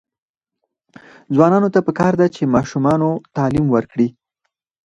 ځوانانو ته پکار ده چې، ماشومانو تعلیم ورکړي.